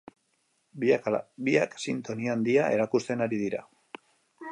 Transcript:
Biak ala biak sintonia handia erakusten ari dira.